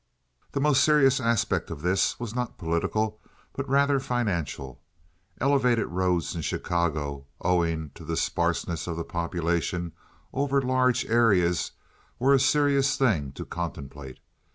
The most serious aspect of this was not political, but rather financial. Elevated roads in Chicago, owing to the sparseness of the population over large areas, were a serious thing to contemplate.